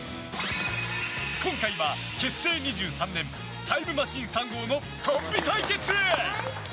今回は結成２３年タイムマシーン３号のコンビ対決。